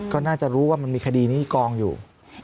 ก็น่าจะรู้ว่ามันมีคดีนี้กองอยู่